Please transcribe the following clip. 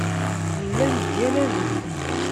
Llan deg yal adeg.